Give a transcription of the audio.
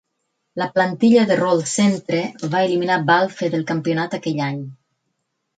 La plantilla de Rollcentre va eliminar Balfe del campionat aquell any.